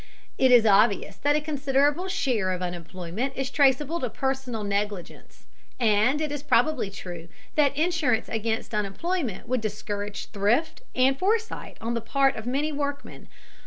It is obvious that a considerable share of unemployment is traceable to personal negligence, and it is probably true that insurance against unemployment would discourage thrift and foresight on the part of many workmen.